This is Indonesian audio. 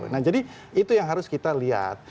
nah jadi itu yang harus kita lihat